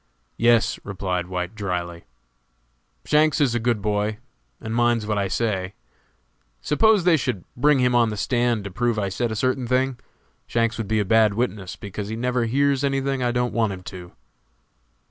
"Yes," replied White, dryly, "Shanks is a good boy, and minds what I say. Suppose they should bring him on the stand to prove I said a certain thing, Shanks would be a bad witness, because he never hears any thing I don't want him to."